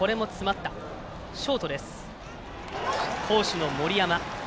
好守の森山。